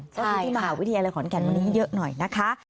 ก็คือที่มหาวิทยาลัยขอนแก่นวันนี้เยอะหน่อยนะคะ